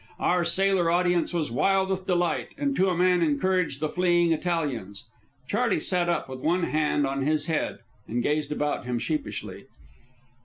Our sailor audience was wild with delight, and to a man encouraged the fleeing Italians. Charley sat up, with one hand on his head, and gazed about him sheepishly.